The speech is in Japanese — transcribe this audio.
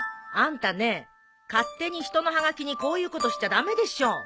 あんたね勝手に人のはがきにこういうことしちゃ駄目でしょ。